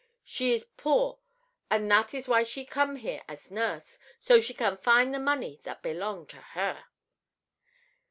She is poor, an' that is why she come here as nurse, so she can find the money that belong to her."